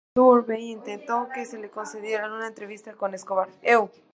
Diana Turbay intentó que le concedieran una entrevista con Escobar.